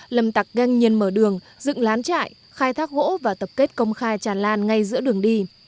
lâm tạc găng nhiên mở rừng dựng lán trại khai thác gỗ và tập kết công khai tràn lan ngay giữa đường đi